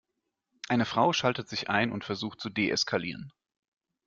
Eine Frau schaltet sich ein und versucht zu deeskalieren.